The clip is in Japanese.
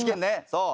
そう。